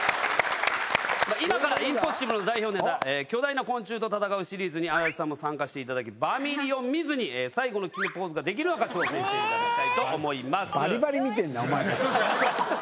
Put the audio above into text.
インポッシブルの代表ネタ巨大な昆虫と戦うシリーズに安達さんも参加していただきバミリを見ずに最後の決めポーズができるのか挑戦していただきたいと思います。